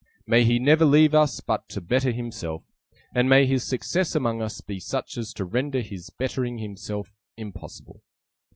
May he never leave us but to better himself, and may his success among us be such as to render his bettering himself impossible!"